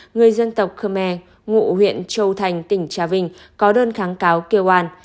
người dân tộc khmer ngụ huyện châu thành tỉnh trà vinh có đơn kháng cáo kêu an